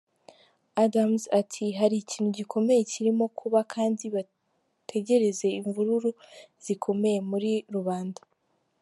Adams ati "Hari ikintu gikomeye kirimo kuba, kandi bategereze imvururu zikomeye muri rubanda.